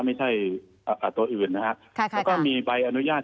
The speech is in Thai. ไม่ใช่อ่าอ่าตัวอื่นนะฮะค่ะค่ะแล้วก็มีใบอนุญาต